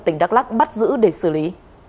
tỉnh đắk lắc bắt giữ để xử lý